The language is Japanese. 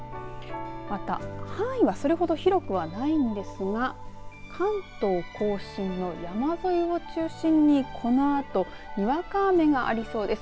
また範囲はそれほど広くはないんですが関東甲信の山沿いを中心にこのあとにわか雨がありそうです。